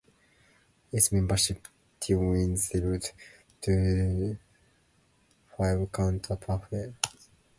Its membership dwindled to the five current performers.